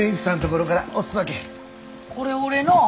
これ俺の！